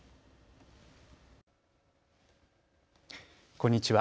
こんにちは。